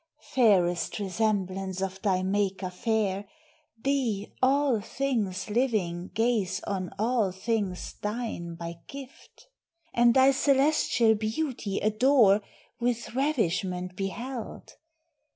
Fairest resemblance of thy Maker fair, Thee all things living gaze on all things thine By gift, and thy celestial beauty adore With ravishment beheld!